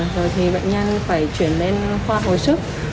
rồi thì bệnh nhân phải chuyển lên khoa hồi sức